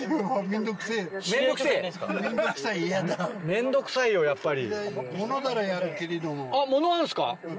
面倒くさいよやっぱり。